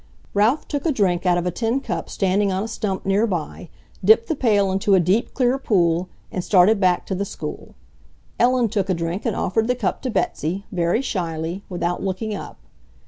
Ralph took a drink out of a tin cup standing on a stump near by, dipped the pail into a deep, clear pool, and started back to the school. Ellen took a drink and offered the cup to Betsy, very shyly, without looking up.